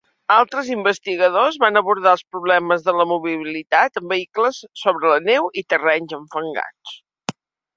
Altres investigadors van abordar els problemes de la mobilitat amb vehicles sobre la neu i terrenys enfangats.